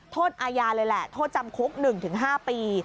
อาญาเลยแหละโทษจำคุก๑๕ปี